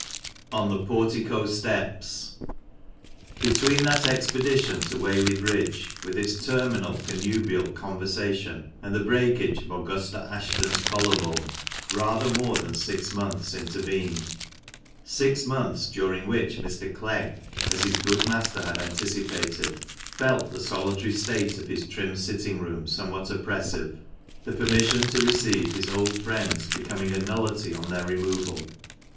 ON THE PORTICO STEPS. ETWEEN that expedition to Whaley Bridge, with its terminal connubial conversation, and the breakage of Augusta Ashton's collar bone, rather more than six months intervened — six months during which Mr. Clegg, as his good master had anticipated, felt the solitary state of his trim sitting room somewhat oppressive, the permission to receive his old friends becoming a nullity on their removal.